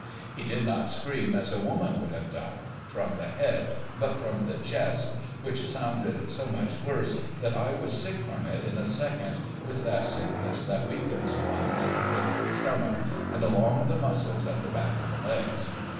He did not scream as a woman would have done, from the head, but from the chest, which sounded so much worse that I was sick from it in a second with that sickness that weakens one at the pit of the stomach and along the muscles at the back of the legs.